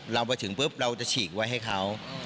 เรามาถึงปุ๊บเราจะฉีกไว้ให้เขา